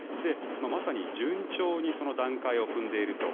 まさに順調にその段階を踏んでいると。